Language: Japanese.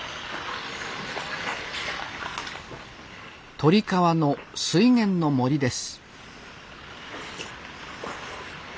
鳥川の水源の森です